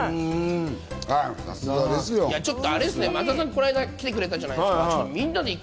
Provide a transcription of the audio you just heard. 松田さん、この前、来てくれたじゃないですか。